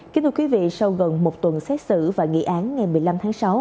kính thưa quý vị sau gần một tuần xét xử và nghị án ngày một mươi năm tháng sáu